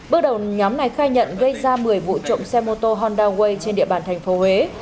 bước đầu nhóm này khai nhận gây ra một mươi vụ trộm xe mô tô honda way trên địa bàn thành phố huế